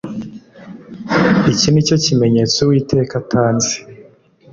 Iki ni cyo kimenyetso Uwiteka atanze